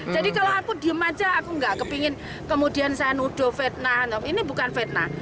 jadi kalau aku diem aja aku nggak kepingin kemudian saya nuduh fetnah ini bukan fetnah